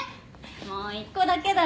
もう１個だけだよ。